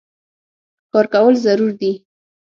کار کول ضرور دي